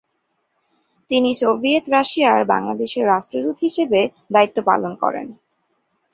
তিনি সোভিয়েত রাশিয়ায় বাংলাদেশের রাষ্ট্রদূত হিসেবে দায়িত্ব পালন করেন।